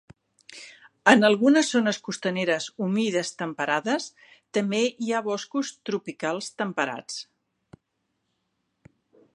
En algunes zones costaneres humides temperades també hi ha boscos tropicals temperats.